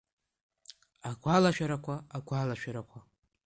Агәалашәарақәа, агәалашәарақәа!